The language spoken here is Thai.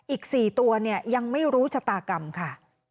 อีก๔ตัวเนี่ยยังไม่รู้ชะตากรรมค่ะ